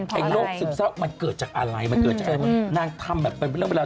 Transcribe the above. เป็นเพราะอะไรมันเกิดจากอะไรนางทำแบบเป็นอยู่เวลา